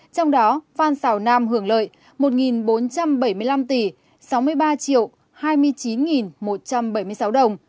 trong đó phan xào nam hưởng lợi một bốn trăm bảy mươi năm tỷ sáu mươi ba hai mươi chín một trăm bảy mươi sáu đồng